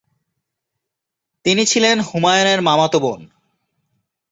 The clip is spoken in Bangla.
তিনি ছিলেন হুমায়ুনের মামাতো বোন।